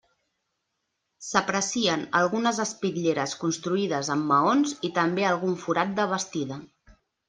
S'aprecien algunes espitlleres construïdes amb maons i també algun forat de bastida.